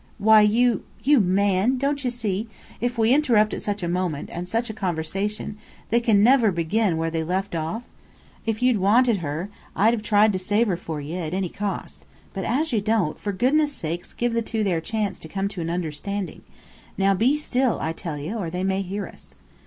"Why, you you Man, don't ye see, if we interrupt at such a minute, and such a conversation, they can never begin again where they left off? If you'd wanted her, I'd have tried to save her for ye, at any cost. But as ye don't, for goodness' sake give the two their chance to come to an understanding. Now be still, I tell ye, or they may hear us."